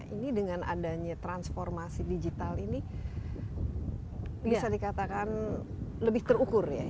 ini dengan adanya transformasi digital ini bisa dikatakan lebih terukur ya